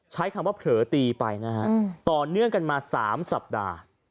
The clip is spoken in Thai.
ใช้คำว่าเผลอตีไปนะฮะต่อเนื่องกันมา๓สัปดาห์